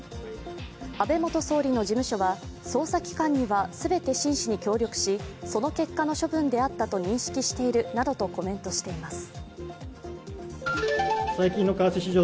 安倍元総理の事務所は、捜査機関には全て真摯に協力し、その結果の処分であったと認識しているなどとコメントしています。